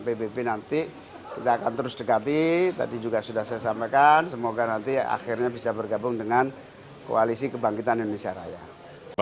pbb nanti kita akan terus dekati tadi juga sudah saya sampaikan semoga nanti akhirnya bisa bergabung dengan koalisi kebangkitan indonesia raya